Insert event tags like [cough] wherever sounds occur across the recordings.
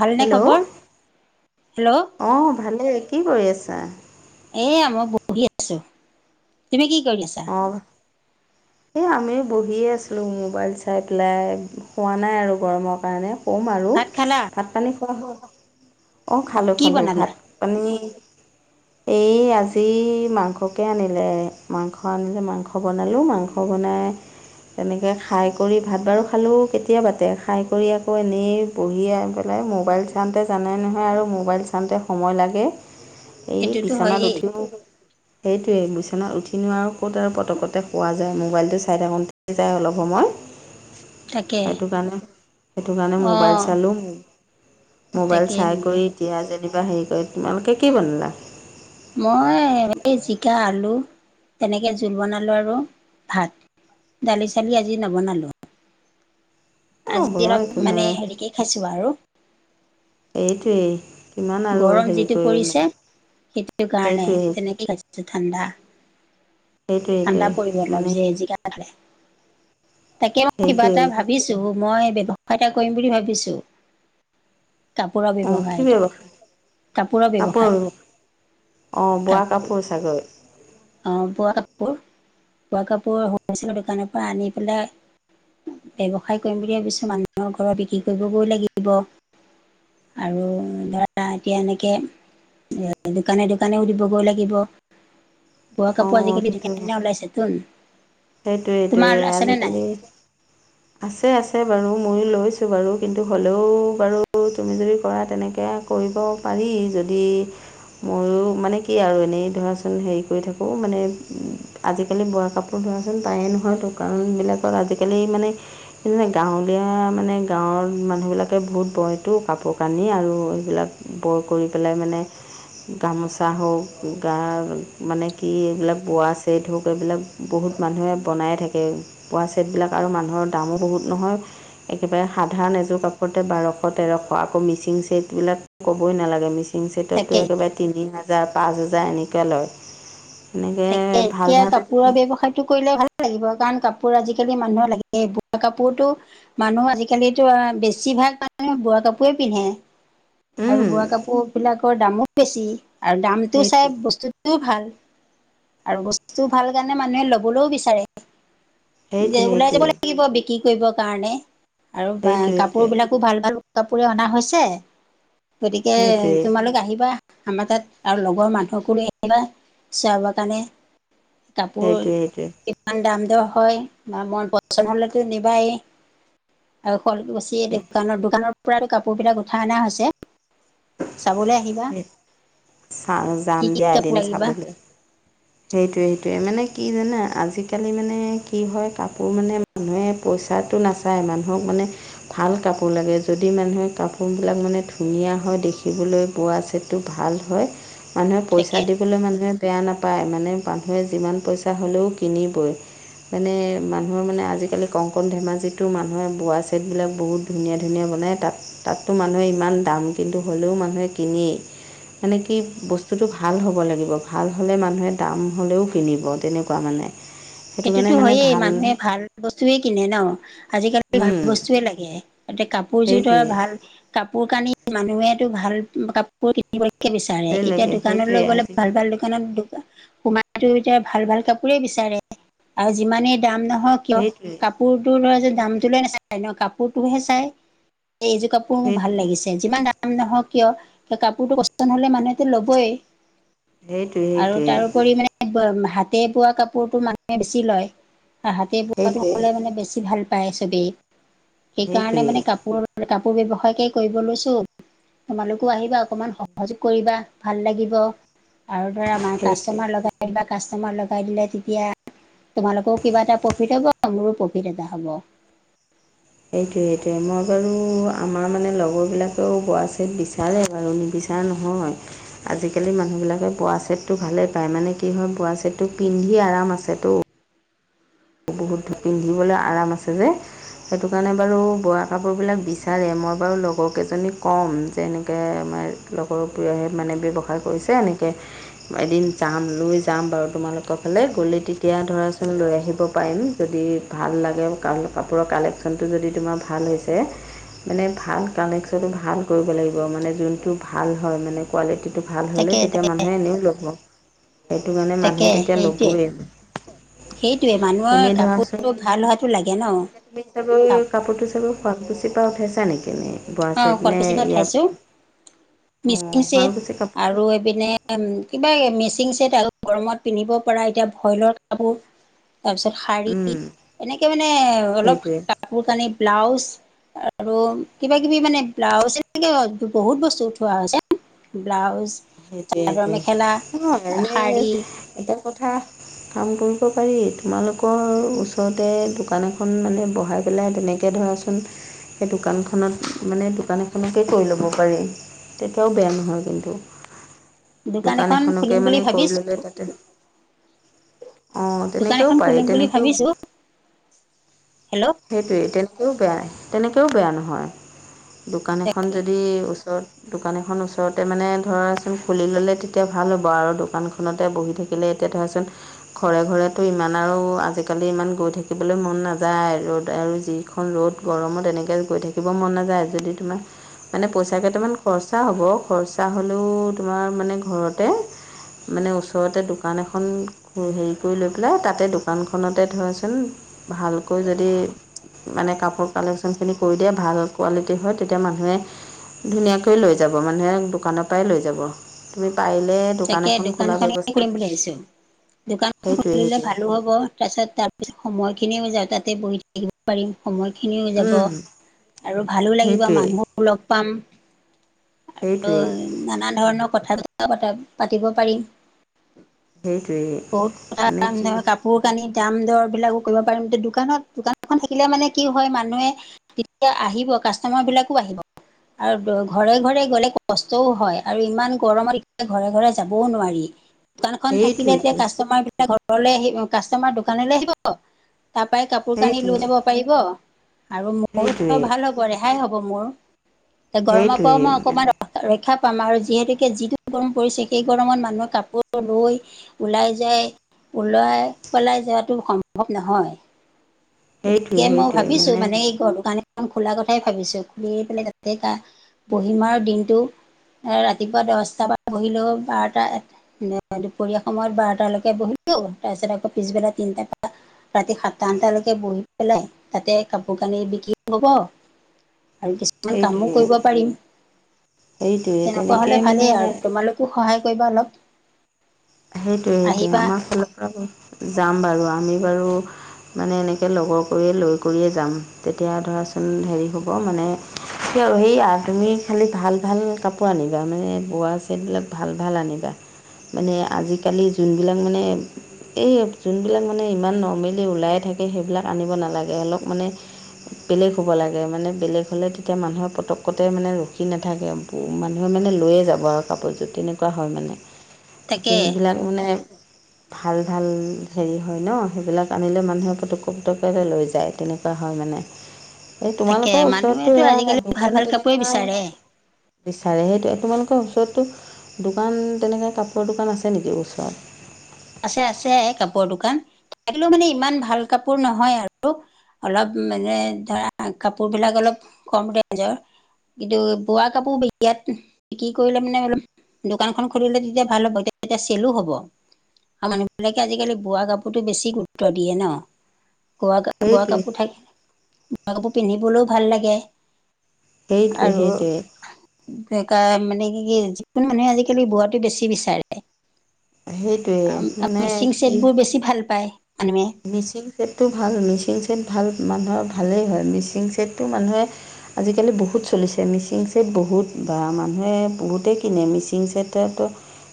ভালনে খবৰ হেল্ল',? অ, ভালেই কি কৰি আছা? এয়া মই বহি আছো তুমি কি কৰি আছা? অহ', এই আমিয়ো বহিয়ে আছিলোঁ মোবাইল চাই পেলাই শুৱা নাই আৰু গৰমৰ কাৰণে। শুম আৰু ভাত খালা? ভাত পানী খোৱা হয় অ, খালোঁ- কি খালোঁ বনালা? ভাত পানী এই আজি মাংসকে আনিলে মাংস হয় মানে মাংস বনালোঁ মাংস বনাই তেনেকে খাই কৰি ভাত বাৰু খালোঁ কেতিয়াবাতে খাই কৰি আকৌ এনেই বহি আহ পেলাই মোবাইল চাওঁতে জানে নহয় আৰু মোবাইল চাওঁতে সময় লাগে। [inaudible] এই বিচনাত হয়েই উঠিও সেইটোৱেই বিচনাত উঠি নোৱাৰো। ক'ত আৰু পটপতে শুৱা যায় মোবাইলটো চাই থাকোঁতে যায় অলপ সময়। তাকে সেইটো কাৰণে- সেইটো কাৰণে মোবাইল অ' চালোঁ মোবাইল তাকে চাই কৰি এতিয়া যেনিবা হেৰি কৰে তোমালোকে কি বনলা? মই এই জিকা আলু তেনেকে জোল বনালোঁ আৰু ভাত। দালি -চালি আজি নবনালোঁ। এ হ'ব আজি অলপ একো মানে নাই হেৰিকে খাইছো আৰু। এইটোৱেই। কিমান আৰু গৰম হেৰি যিটো কৰি পৰিছে মানে সেইটোৰ কাৰণে সেইটোৱে সেইটো তেনেকে খাইছোঁ ঠাণ্ডা সেইটোৱে সেইটোৱে ঠাণ্ডা পৰিব অলপ মানে যে জিকা খালে তাকে মই কিবা সেইটোৱে এটা ভাব ভাবিছোঁ মই ব্যৱসায় এটা কৰিম বুলি ভাবিছোঁ। কাপোৰৰ অঁ ব্যৱসায় কি এইটো ব্যৱসায় কাপোৰৰ ব্যৱসায়। অ, বোৱা কাপোৰ ছাঁগৈ অ, বোৱা কাপোৰ -বোৱা কাপোৰ হ'লচেলৰ দোকানৰ পৰা আনি পেলাই ব্যৱসায় কৰিম বুলি ভাবিছোঁ মানুহৰ ঘৰৰত বিক্ৰী কৰিবগৈ লাগিব। আৰু ধৰা এতিয়া এনেকে দিয়া দোকানে-দোকানেওঁ দিবগৈ লাগিব। বোৱা কাপোৰ অঁ আজিকালি সেইটো ধুনীয়া - ধুনীয়া ওলাইছেতোন। সেইটোৱে ইটোৱে আজিকালি [inaudible] আছে- আছে বাৰু ময়ো লৈছোঁ বাৰু কিন্তু হ'লেও বাৰু তুমি যদি কৰা তেনেকে কৰিব পাৰি যদি ময়ো মানে কি আৰু এনেই ধৰাচোন হেৰি কৰি থাকোঁ মানে আজিকালি বোৱা কাপোৰ অ, ধৰাচোন তায়ে নহয় দোকান বিলাকত আজিকালি মানে সেইনে গাঁৱলীয়া মানে গাঁৱৰ মানুহবিলাকে বহুত বয়টো কাপোৰ কানি আৰু এইবিলাক বৰ কৰি পেলাই মানে গামোচা হওক গা মানে কি এইবিলাক বোৱা চেড হওঁক এইবিলাক বহুত মানুহে বনায় থাকে পোৱা ছেটবিলাক আৰু মানুহৰ দামো বহুত নহয়। একেবাৰে সাধাৰণ এযোৰ কাপোৰতে বাৰশ তেৰশ আকৌ মিচিং ছেটবিলাক ক'বই নালাগে মিচিং ছেটতে তাকেই একেবাৰে তিনি হাজাৰ, পাঁচ হাজাৰ এনেকে লয়। এনেকৈ তাকে ভাল এতিয়া ভাল যদি কাপোৰৰ ব্যৱসায়টো কৰিলে ভাল- লাগিব কাৰণ কাপোৰ আজিকালি মানুহৰ লাগে বুৱা কাপোৰতো মানুহ আজিকালিতো আৰববেছিভাগ মানুহে বোৱা কাপোৰে পিন্ধে। আৰু বোৱা কাপোৰবিলাকৰ দামো বেছি আৰু দামটো সেইটোৱে চাই বস্তুটোও ভাল। আৰু বস্তুটুটো ভাল কাৰণে মানুহে লবলৈও বিচাৰে যে সেইটোৱে ওলাই সেইটোৱে যাব লাগিব বিকি কৰিব কাৰণে আৰু সেইটোৱে সেইটোৱে সেইটোৱে কাপোৰ বিলাকো ভাল- ভাল কাপোৰে অনা হৈছে গতিকে তোমালোক আহিবা আমাৰ তাত আৰু লগৰ মানুহকো লৈ আহিবা ছিয়া বাগ কানে কাপোৰ ইমান দাম দৰ হয় নহয় মন পচন্দ হলেতো নিবায়ে। আৰু শুৱালকুচি দোকানৰ -দোকানৰ পৰাতো কাপোৰ বিলাক উঠাই অনা হৈছে চাবলে আহিবা। চাও কি যাম কি দিয়া কাপোৰ এদিন লাগিব চাবলৈ। সেইটোৱে- সেইটোৱে মানে কি জানা আজিকালি মানে কি হয় কাপোৰ মানে মানুহে পইচাটো নাচায় মানুহক মানে ভাল কাপোৰ লাগে যদি মানুহে কাপোৰ বিলাক মানে ধুনীয়া হয় দেখিবলৈ বোৱা যিটো ভাল হয় মানুহে তাকে পইছা [unintelligible] বলৈ মানুহে বেয়া নাপায় মানে মানুহে যিমান পইচা হ'লেও কিনিবই। মানে মানুহৰ মানে আজিকালি কংকন ধেমাজিতো মানুহে বোৱা চেদবিলাক বহুত- ধুনীয়া- ধুনীয়া বনায় তাত -তাততো মানুহে ইমান দাম কিন্তু হ'লেও মানুহে কিনেই। এনে কি বস্তুটোটো ভাল হ'ব লাগিব ভাল হ'লে মানুহে দাম হ'লেও কিনিব তেনেকুৱা মানে সেইটো কাৰণে সেইটোতো মানে হয়েই ভাল মানুহে ভাল বস্তুৱে কিনে ন' আজিকালি ভাল উম বস্তুয়েই লাগে এতিয়া কাপোৰযোৰ ধৰা সেইটোৱে ভাল কাপোৰ কানি মানুহেটো ভাল কাপোৰ কিনিবলেকে বিচাৰে ভালেই এতিয়া লাগে দোকানলৈ সেইটোৱে গ'লে আজিকালি ভাল- ভাল দোকানত সোমাইতো এতিয়া ভাল -ভাল কাপোৰেই বিচাৰে আৰু যিমানেই দাম নহওঁক কিয় সেইটোৱে কাপোৰ তোৰ ল'ৰাই যে দামটো লই নাচায় ন' কাপোৰটোহে চাই এইযোৰ কাপোৰ মোৰ ভাল সেইটোৱে লাগিছে। তে যিমান দাম নহওঁক কিয় ত ' কাপোৰটো পচন হ'লে মানুহেটো ল'বই। সেইটোৱে আৰু সেইটোৱে তাৰোপৰি মানে হাতে বোৱা কাপোৰটো মান বেছি লয় অ, হাতে বোৱাটো সেইটোৱে হ'লে মানে বেছি ভাল পায় চবেই। সেইকাৰণে সেইটোৱে মানে কাপোৰ -কাপোৰ ব্যৱসায়কেই কৰিব লৈছোঁ। তোমালোকো আহিবা অকমান সহযোগ কৰিবা ভাল লাগিব।। আৰু ধৰা আমাৰ সেইটোৱে সেইটোৱে কাষ্টমাৰ লগাই দিবা কাষ্টমাৰ লগাই দিলে তেতিয়া তোমালোকৰও কৰে কিবা এটা প্ৰফিট হ'ব মোৰো প্ৰফিট এটা হ'ব। এইটোৱে- এইটোৱে মই বাৰু আমাৰ মানে লগৰবিলাকেও বোৱা ছেট বিচাৰে বাৰু নিবিচাৰ এ নহয় আজিকালি মানুহবিলাকে বোৱা চেটটো ভালেই পায় মানে কি হয় বোৱা চেটটো পিন্ধি আৰাম আছেতো। বহুত পিন্ধিবলে আৰাম আছে যে। সেটো কাৰণে বাৰু বোৱা কাপোৰবিলাক বিচাৰে মই বাৰু লগৰকেইজনীক ক'ম যে এনেকে আমাৰ লগৰবোৰে মানে ব্যৱসায় কৰিছে এনেকে এদিন যাম লৈ যাম বাৰু তোমালোকৰ ফালে গ'লে তেতিয়া ধৰাচোন লৈ আহিব। পাৰিম যদি ভাল লাগে কাপোৰৰ কালেকশ্যনটো যদি তোমাৰ ভাল হৈছে। মানে ভাল কালেকশ্যনটো ভাল কৰিব লাগিব মানে যোনটো ভাল হয় মানে কোৱালিটিটো ভাল হ'লে তাকে তেতিয়া তাকে মানুহে এনেও ল'ব সেইটো কাৰণে তাকে মানুহে তেতিয়া সেইটোৱে ল'বই সেইটোৱে মানুহৰ এনেই কাপোৰযোৰ ধৰাচোন ভাল হোৱাতো লাগে ন'। এতিয়া তুমি চাব অ' কাপোৰটো চাব শুৱালকুছিৰ পা উঠাইছা নে কি নে? অ, শুৱালকুচিপা ইয়াত উঠাইছোঁ অঁ মিচিং চেট শুৱালকুছি কাপোৰটো আৰু পিনে কিবা এ মেচিং চেট আৰু গৰমত পিন্ধিব পৰা এতিয়া ভইলৰ কাপোৰ। তাৰপিছত শাৰী উম এনেকে মানে অলপ সেইটোৱে কাপোৰ কানি, ব্লাউজ আৰু কিবা কিবি মানে ব্লাউজ এনেকে বহুত বস্তু উথোৱা হৈছে ব্লাউজ সেইটোয়ে- চাদৰ মেখেলা সেইটোয়ে অ, এনেই শাৰী এটা কথা কাম কৰিব পাৰি তোমালোকৰ ওচৰতে দোকান এখন মানে বহাই পেলাই তেনেক এ ধৰাচোন সেই দোকানখনত মানে দোকান এখনকে কৈ ল'ব পাৰি তেতিয়াওঁ বেয়া নহয় কিন্তু। দোকান এখন এখনকে খুলিম বুলি মানে কৰি ল'লে ভাবিছোঁ। তাতে অঁ দোকান তেনেকৈও এখন পাৰি খুলিম বুলি তেনেকৈও ভাবিছোঁ হেল্ল', সেইটোৱে তেনেকৈও বেয়া তেনেকৈও বেয়া নহয় দোকান এখন যদি ওচৰত দোকান এখন ওচৰতে মানে ধৰাচোন খুলি ল'লে তেতিয়া ভাল হ'ব আৰু দোকানখন খনতে বহি থাকিলে এতিয়া ধৰাচোন ঘৰে- ঘৰেতটো ইমান আৰু আজিকালি ইমান গৈ থাকিবলে মন নাযায়। ৰ'দ আৰু যিখন ৰ'দ গৰমত এনেকে গৈ থাকিব মন নাযায় যদি তোমাক মানে পইচা কেইটামান খৰচা হ'ব খৰচা হ'লেও তোমাৰ মানে ঘৰতে মানে ওচৰতে দোকান এখন হেই হেৰি কৰি লৈ পেলাই তাতে দোকানখনতে ধৰাচোন ভালকৈ য তে মানে কাপোৰ কালেকশনখিনি কৰি দিয়ে ভাল কোৱালিটি হয় তেতিয়া মানুহে ধুনীয়াকৈ লৈ যাব মানুহে দোকানৰ পাই লৈ যাব তুমি পাৰিলে দোকান তাকে এখন খোলা দোকানখনে ব্যৱস্থা খুলিম বুলি ভাবিছোঁ দোকানখন সেইটোৱে খুলিলে সেইটোৱে ভালো হ'ব তাৰছত- তাৰপিছত সময়খিনিও যাওঁ তাতে বহি বহিব পাৰিম সময়খিনিও যাব উম আৰু ভালো লাগিব সেইটোৱেই মানুহ লগ পাম আৰু সেইটোৱেই নানা ধৰণৰ কথা-বতৰা পাতা পাতিব পাৰি সেইটোৱেই বহুত কথা [unintelligible] মানে কি কাপো কাপোৰ-কানি দাম দৰ বিলাকো কৰিব পাৰিম এতিয়া দোকানত দোকানএখন থাকিলে মানে কি হয় মানুহে তেতিয়া আহিব কাষ্টমাৰবিলাকো আহিব। আৰু ঘৰে- ঘৰে গ'লে কষ্টও হয় আৰু ইমান গৰমত ঘৰে-ঘৰে যাবও নোৱাৰি দোকানখন থাকিলে এতিয়া সেইটোৱেইটো কাষ্টমাৰ ঘৰলে আহি কাষ্টমাৰ দোকানলে আহিব তাৰ পাই কাপোৰ কানি লৈ যাব পাৰিব আৰু মোৰ সেইটোৱে [unintelligible] ভাল হ'ব ৰেহাই হ'ব মোৰ। এ গৰমৰ পৰাও সেইটোৱে সেইটোৱে মই মানে অকমান ৰক্ষা পাম আৰু যিহেতুকে যিটো গৰম পৰিছে এই গৰমত মানুহে কাপোৰ লৈ ওলাই যায় ওলাই পেলাই যোৱাটো সম্ভৱ নহয়। সেইটোৱে গতিকে মই সেইটোৱে ভাবিছোঁ মানে এই ঘৰটো কাৰণে খন খোলা কথাই ভাবিছোঁ খুলি পেলাই তাতে কা বহিম আৰু দিনটো। এ ৰাতিপুৱা দচটা পা বহিলেও বাৰটা, এটা নে দুপৰীয়া সময়ত বাৰটালৈকে বহিলো, তাৰপিছত আকৌ পিছবেলা তিনিটাৰ পা ৰাতি সাতটা, আঠটালৈকে বহি পেলাই তাতে কাপোৰ কানি বিকি হ'ব। আৰু কিছুমান কামো সেইটোৱে কৰিব পাৰিম সেইটোৱে তেনেকোৱা তেনেকে হলে মানে ভালেই আৰু তোমালোক তোক সহায় কৰিব অলপ সেইটোৱে সেইটোৱে আহিবা আমাৰ ফালৰ পৰা যাম বাৰু আমি বাৰু মানে এনেকে লগৰ কৰিয়ে লৈ কৰিয়ে যাম তেতিয়া ধৰাচোন হেৰি হ'ব মানে সেয়া তুমি খালি ভাল ভাল কাপোৰ আনিবা, মানে বোৱা চেটবিলাক ভাল ভাল আনিবা। মানে আজিকালি যোনবিলাক মানে এই যোনবিলাক মানে ইমান নৰ্মেলি ওলাই থাকে সেইবিলাক আনিব নালাগে অলপ মানে বেলেগ হ'ব লাগে মানে বেলেগ হ'লে তেতিয়া মানুহৰ পতককতে মানে ৰখি নাথাকে। মানুহে মানে লৈয়ে যাব আৰু কাপোৰযোৰ তেনেকোৱা হয় মানে। তাকে যোনবিলাক মানে ভাল ভাল হেৰি হয় ন সেইবিলাক আনিলে মানুহে পুতুককে পুতুককৈ লৈ যায় তেনেকোৱা হয় মানে। [unintelligible] এই তোমালোকৰ ওচৰতো মানুহেতো এয়া আজিকালি ভাল দোকান ভাল কাপোৰে তেনেকা বিচাৰে বিচাৰে সেইটোৱে তোমালোকৰ ওচৰতো দোকান তেনেকৈ কাপোৰৰ দোকান আছে নেকি ওচৰত? আছে আছে কাপোৰৰ দোকান থাকিলও মানে ইমান ভাল কাপোৰ নহয় আৰু। অলপ মানে ধৰা কাপোৰ বিলাক অলপ কম ৰেঞ্জৰ। কিন্তু বোৱা কাপোৰ বিয়াত বিক্ৰী কৰিলে মানে অলপ দোকানখন খুলিলে তেতিয়া ভাল হ'ব তেতিয়া চেলো হ'ব। আৰু মানুহ বিলাকে আজিকালি বোৱা কাপোৰতো বেছি গুৰুত্ব দিয়ে ন। বোৱা বোৱা সেইটোৱে কাপোৰ থাকে বোৱা কাপোৰ পিন্ধিবলৈও ভাল লাগে। সেইটোৱে আৰু সেইটোৱে মানে কি কি যিকোনো মানুহে আজিকালি বোৱাটো বেছি বিচাৰে সেই মিচিং চেটবোৰ বেছি ভাল পায় মানুহে মিচিং চেটটো ভাল মিচিং চেট ভাল মানুহৰ ভালেই হয় মিচিং চেটটো মানুহে আজিকালি বহুত চলিছে মিচিং ছেট বহুত বা মানুহে বহুতেই কিনে মিচিং ছেটেতো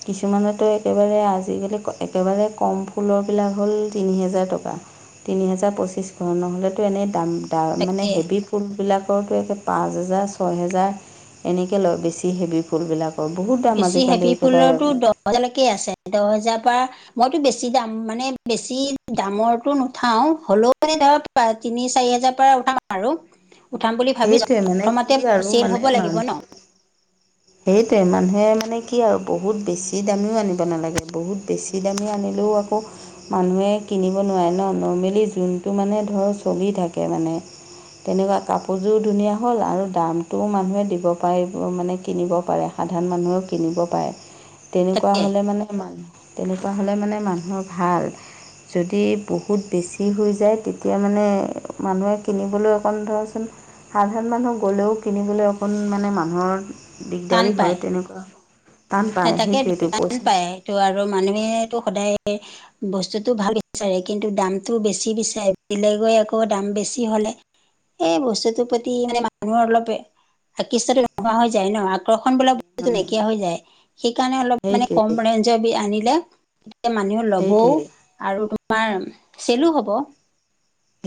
কিছুমানেতো একেবাৰে আজিকালি একেবাৰে কম ফুলৰবিলাক হ'ল তিনি হেজা হাজাৰ টকা তিনি হাজাৰ পঁচিশ নহ'লেতো এনেই দাম দাম মানে তাকে হেবিত ফুলবিলাকৰতো একে পাঁচ হেজাৰ ছয় হেজাৰ এনেকৈ লয় বেছি হেভি ফুলবিলাক। অ বহুত দাম বেছি আজিকালি হেভি একেবাৰে ফুলৰতো দহ হেজাৰলৈকে আছে, দহ হেজাৰ পৰা মইতো বেছি দাম মানে বেছি দামৰটো নুঠাও হ'লেও মানে ধৰক পা তিনি চাৰি হাজাৰ পৰা উঠাম আৰু উঠাম বুলি ভাবিছো সেইটোৱে মানে কি প্ৰথমতে আৰু চেল মানে হ'ব লাগিব মানুহ ন সেইটোৱে মানুহে মানে কি আৰু বহুত বেছি দামীও আনিব নালাগে বহুত বে ছি দামী আনিলেও আকৌ মানুহে কিনিব নোৱাৰে ন নৰ্মেলি যোনটো মানে ধৰক চলি থাকে মানে তেনেকোৱা কাপোৰযোৰো ধুনীয়া হ'ল আৰু দামটোও মানুহে দিব পাৰিব মানে কিনিব পাৰে সাধাৰণ মানুহেও কিনিব পাৰে তেনেকোৱা তাকে হ'লে মানে মানুহ তেনেকোৱা হ'লে মানে মানুহৰ ভাল যদি বহুত বেছি হৈ যায় তেতিয়া মানে মানুহে কিনিবলৈ অকণ ধৰচোন সাধাৰণ মানুহ গ'লেও কিনিবলৈ অকণ মানে মানুহৰ টান দিগদাৰি পায় হয় তেনেকোৱা টান পায় সেইটোৱেটো পইচা টো আৰু মানুহেতো সদায় বস্তুটো ভাল বিচাৰে কিন্তু দামটো বেছি বিচাৰে বেলেগে আকৌ দাম বেছি হ'লে এই বস্তুটোৰ প্ৰতি মানে মানুহৰ অলপ আকৃষ্টতো নোহোৱা হৈ যায় ন আ আকৰ্ষণ বোলা বস্তুটো নাইকিয়া হৈ যায় সেইকাৰণে অলপ মানে কম সেইটোৱে ৰেঞ্জ জবি আনিলে তেতিয়া মানুহ ল'বও সেইটোৱে সেইটোৱে আৰু তোমাৰ চেলো হ'ব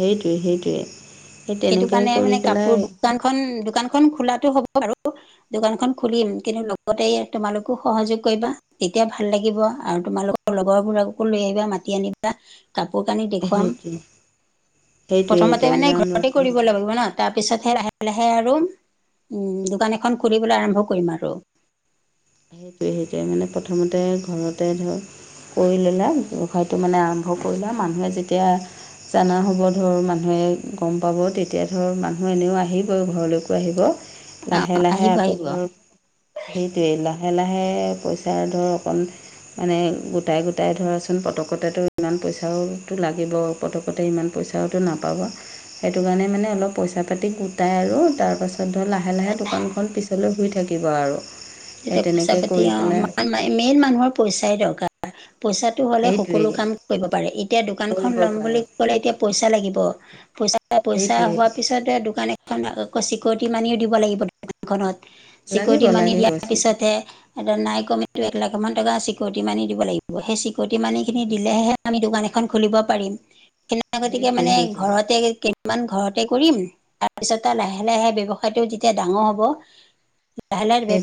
সেইটোৱে সেইটোৱে সেই সেইটো তেনেকে কাৰণে মানে কৰি কাপোৰ পেলাই দোকানখন দোকানখন খোলাটো হ'ব আৰু দোকান খন খুলিম কিন্তু লগতে তোমালোকো সহযোগ কৰিবা তেতিয়া ভাল লাগিব আৰু তোমালোকৰ লগৰবোৰাকো লৈ আহিবা মাতি আনিবা কাপোৰ কানি সেইটোৱে দেখুৱাম সেইটোৱে প্ৰথমতে সেইটোৱে মানে যাম ঘৰতে ৰখা হব ন তাৰপিছতহে লাহে লাহে আৰু দোকান এখন খুলিবলৈ আৰম্ভ কৰিম আৰু সেইটোৱে সেইটোৱে মানে প্ৰথমতে ঘৰতে ধৰ কৰি ললা ব্যৱসায়টো মানে আৰম্ভ কৰিলা মানুহে যেতিয়া জানা হ'ব ধৰ মানুহে গম পাব তেতিয়া ধৰ মানুহ এনেও আহিবই ঘৰলৈকো আহিব লাহে লাহে আহিব আকৌ আহিব ধৰক সেইটোয়ে লা লাহে লাহে পইচা ধৰক অকণ মানে গোটাই গোটাই ধৰাচোন পতকতেতো ইমান পইচাওতো লাগিব পতকতে ইমান পইচাওতো নাপাবা সেইটো কাৰণে মানে অলপ পইচা পাতি গোটাই আৰু তাৰ পাছত ধৰ লাহে লাহে দোকানখন পি ছলৈ শুই থাকিব আৰু সেই তেতিয়া পইচা তেনেকে পাতি কৰি অ পেলাই মেইন মানুহৰ পইচাই দৰকাৰ পইচা হলে সকলো সেইটোৱেই কাম কৰিব পাৰে এতিয়া দোকানখনন কৰিব ল'ম পাৰে বুলি ক'লে এতিয়া পইচা লাগিব পইচা পইচা সেইটোৱেই হোৱাৰ পিছতে দোকান এখন আকৌ চিকিউৰিটি মানিও দিব লাগিব দোকানখনত চিকৰতি লাগিব মানি লাগিব দিয়া সেইটোৱে এ নাই কম এক লাখ মান টকা চিকিউৰিটি মানি দিব লাগিব সেই চিকিউৰিটি মানি খিনি দিলেহে আমি দোকান এখন খুলিব পাৰিম কিনা গতিকে সেইটোৱে মানে সেইটোৱে ঘৰতে কিনা মান ঘৰতে কৰিম তাৰপিছতে লাহে লাহে ব্যৱসায়টো যেতিয়া ডাঙৰ হ'ব লাগে লাহে দিব সেই